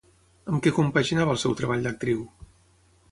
Amb què compaginava el seu treball d'actriu?